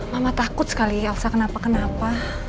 mama takut sekali aksa kenapa kenapa